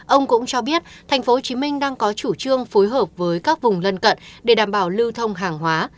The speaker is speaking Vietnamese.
ông cũng cho biết tp hcm đang có chủ trương phối hợp với các vùng lân cận để đảm bảo lưu thông hàng hóa